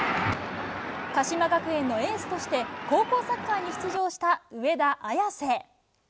鹿島学園のエースとして、高校サッカーに出場した上田綺世。